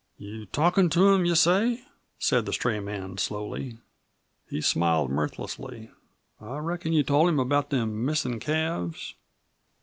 "You talkin' to him, you say?" said the stray man slowly. He smiled mirthlessly. "I reckon you told him about them missin' calves?"